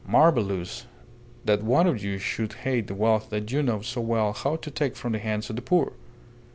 "Marvellous! that one of you should hate the wealth that you know so well how to take from the hands of the poor.